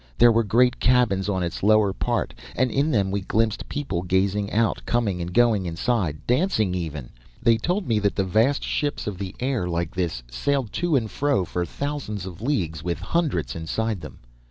There were great cabins on its lower part and in them we glimpsed people gazing out, coming and going inside, dancing even! They told me that vast ships of the air like this sailed to and fro for thousands of leagues with hundreds inside them.